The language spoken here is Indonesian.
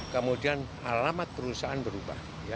kemudian alamat perusahaan berubah